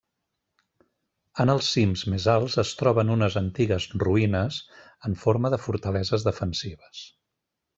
En els cims més alts es troben unes antigues ruïnes en forma de fortaleses defensives.